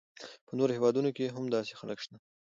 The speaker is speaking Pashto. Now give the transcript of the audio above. په نورو هیوادونو کې هم داسې خلک شته.